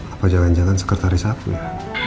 apa jangan jangan sekretaris aku ya